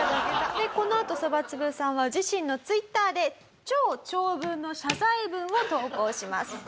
でこのあとそばつぶさんは自身のＴｗｉｔｔｅｒで超長文の謝罪文を投稿します。